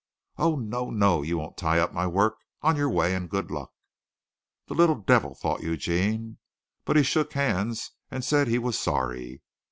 "Oh, no, no! You won't tie up my work. On your way, and good luck!" "The little devil!" thought Eugene; but he shook hands and said he was sorry.